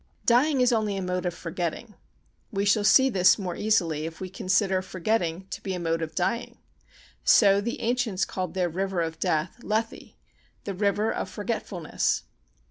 Dying is only a mode of forgetting. We shall see this more easily if we consider forgetting to be a mode of dying. So the ancients called their River of Death, Lethe—the River of Forgetfulness.